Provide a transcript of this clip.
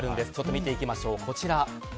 見ていきましょう、こちら。